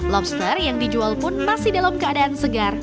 lobster yang dijual pun masih dalam keadaan segar